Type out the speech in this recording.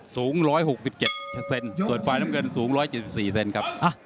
สูงร้อยหกสิบเจ็ดเซนส่วนฟายน้ำเงินสูงร้อยเจ็บสี่เซนครับอ่ะ